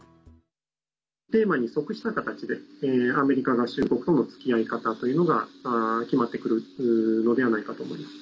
テーマに即した形でアメリカ合衆国とのつきあい方が決まってくるのではないかと思います。